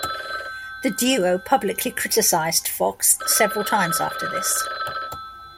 The duo publicly criticized Fox several times after this.